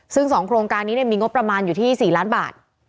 ซึ่ง๒โครงการนี้มีงบประมาณอยู่ที่๔ล้านบาท